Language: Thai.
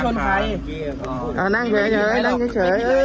ผมเป็นคนดึงพี่ออกมาจากรถเนี่ย